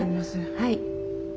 はい。